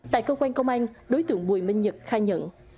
tại cơ quan công an đối tượng bùi minh nhật khai nhận